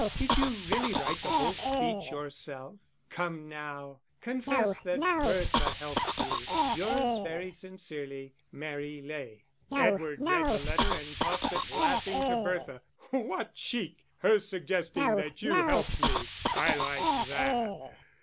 Did you really write the whole speech yourself? Come, now, confess that Bertha helped you. Yours very sincerely,_ MARY LEY. Edward read the letter and tossed it, laughing, to Bertha. "What cheek her suggesting that you helped me! I like that."